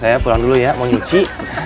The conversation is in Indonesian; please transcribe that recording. saya pulang dulu ya mau nyuci